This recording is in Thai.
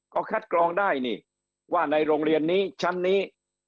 ก็คัดกรองได้นี่ว่าในโรงเรียนนี้ชั้นนี้